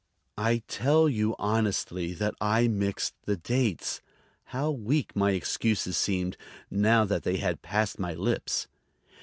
"I tell you honestly that I mixed the dates." How weak my excuses seemed, now that they had passed my lips!